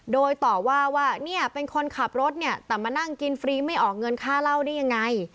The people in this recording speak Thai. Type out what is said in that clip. โดยต่อว่าว่าเนี่ยเป็นคนขับรถเนี่ยแต่มานั่งกินฟรีไม่ออกเงินค่าเหล้าได้ยังไง